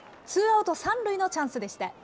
ツーアウト３塁のチャンスでした。